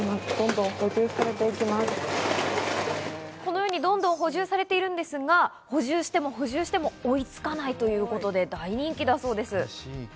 どんどん補充されているんですが、補充しても補充しても追いつかないということで大人気だそうです。